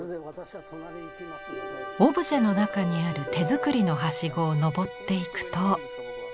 オブジェの中にある手作りのはしごを登っていくと。